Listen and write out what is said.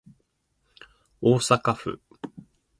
大阪府